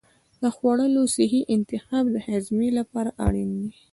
د خوړو صحي انتخاب د هاضمې لپاره اړین دی.